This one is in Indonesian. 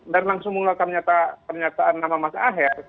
dan langsung mengeluarkan pernyataan nama mas ahy